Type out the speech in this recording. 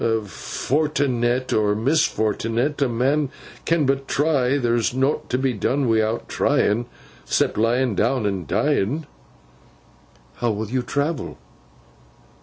Fortnet or misfortnet, a man can but try; there's nowt to be done wi'out tryin'—cept laying down and dying.' 'How will you travel?